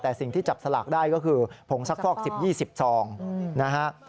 แต่สิ่งที่จับสลากได้ก็คือผงซักฟอก๑๐๒๐ซองนะฮะ